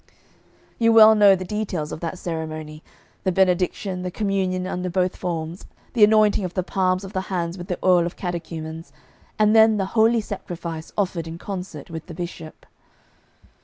You well know the details of that ceremony the benediction, the communion under both forms, the anointing of the palms of the hands with the Oil of Catechumens, and then the holy sacrifice offered in concert with the bishop.